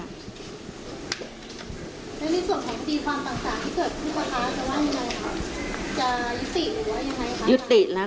แล้วในส่วนของคุณศิริพรความต่างต่างที่เกิดทุกคนค่ะจะว่าจะยุติหรือว่ายังไงค่ะ